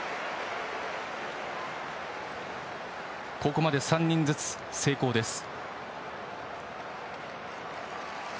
ここまで３人ずつ成功です。